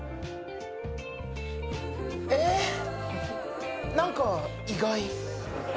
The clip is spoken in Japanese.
えっ何か意外。